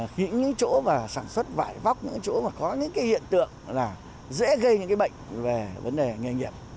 khỉ những chỗ sản xuất vải vóc những chỗ có những hiện tượng dễ gây những bệnh về vấn đề nghề nghiệp